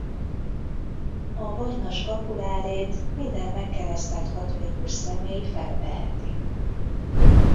A barna skapulárét minden megkeresztelt katolikus személy felveheti.